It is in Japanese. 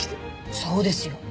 そうですよ。